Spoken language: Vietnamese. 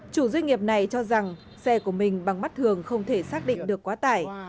chủ doanh nghiệp này cho rằng xe của mình bằng mắt thường không thể xác định được quá tải